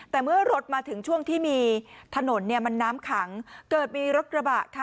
แต่เมื่อรถมาถึงช่วงที่มีถนนเนี่ยมันน้ำขังเกิดมีรถกระบะค่ะ